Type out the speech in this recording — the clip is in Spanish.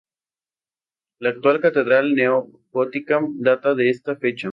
La actual catedral neogótica data de esta fecha.